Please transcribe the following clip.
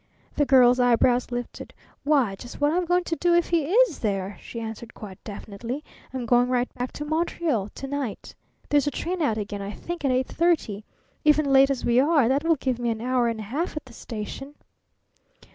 The Girl's eyebrows lifted. "Why, just what I'm going to do if he is there," she answered quite definitely. "I'm going right back to Montreal to night. There's a train out again, I think, at eight thirty. Even late as we are, that will give me an hour and a half at the station."